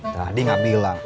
tadi gak bilang